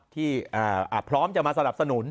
ที่พร้อมจะมาสนับสนุน